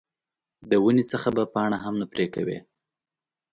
د ونې څخه به پاڼه هم نه پرې کوې.